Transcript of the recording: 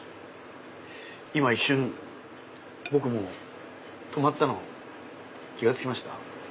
今一瞬僕も止まったの気が付きました？